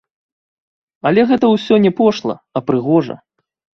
Але гэта ўсё не пошла, а прыгожа.